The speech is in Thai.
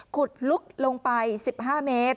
ขุดลึกลงไป๑๕เมตร